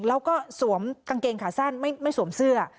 แล้วก็สวมกางเกงขาสั้นไม่สวมเสื้อ